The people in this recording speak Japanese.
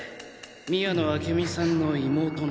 宮野明美さんの妹の。